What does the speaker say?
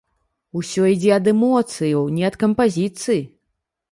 Усё ідзе ад эмоцыяў, не ад кампазіцыі.